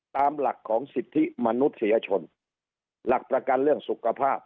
ตามหลักของสิทธิมนุษยชนหลักประกันเรื่องสุขภาพ